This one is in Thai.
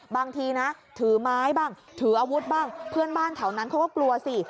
บางทีนะถือไม้บ้างถืออาวุธบ้างเพื่อนบ้านแถวนั้นเขาก็กลัวสิ